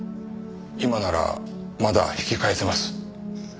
今ならまだ引き返せます。